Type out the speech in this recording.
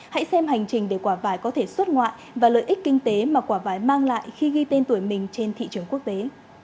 hãy xem hành trình để quả vải có thể xuất ngoại và lợi ích kinh tế mà quả vải mang lại khi ghi tên tuổi mình trên thị trường quốc tế